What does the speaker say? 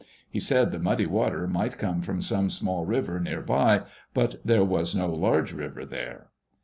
He said the muddy water might come from some small river near by, but there was no large river there.